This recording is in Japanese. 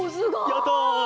やった！